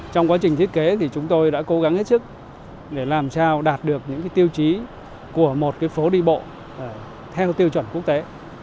trong quá trình thiết kế thì chúng tôi đã cố gắng hết sức để làm sao đạt được những tiêu chí của một phố đi bộ theo tiêu chuẩn quốc tế